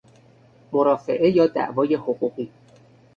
مرافعه یا دعوای حقوقی